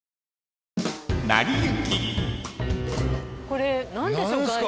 これ何でしょう外壁。